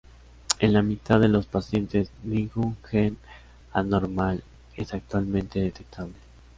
En la mitad de los pacientes, ningún gen anormal es actualmente detectable.